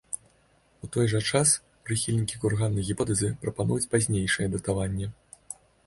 У той жа час, прыхільнікі курганнай гіпотэзы прапануюць пазнейшае датаванне.